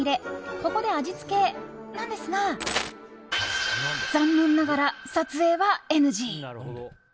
ここで味付けなんですが残念ながら、撮影はＮＧ！